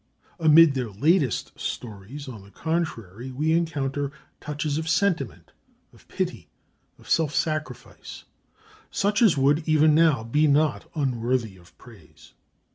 Amid their latest stories, on the contrary, we encounter touches of sentiment, of pity and self sacrifice, such as would even now be not unworthy of praise.